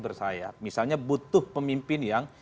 bersayap misalnya butuh pemimpin yang